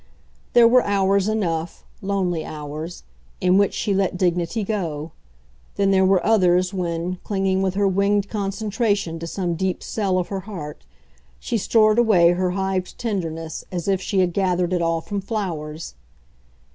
There were hours enough, lonely hours, in which she let dignity go; then there were others when, clinging with her winged concentration to some deep cell of her heart, she stored away her hived tenderness as if she had gathered it all from flowers.